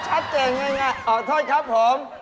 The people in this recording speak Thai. ชัดเจนไงอ่อโทษครับผม